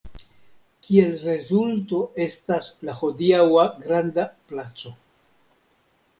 Kiel rezulto estas la hodiaŭa granda placo.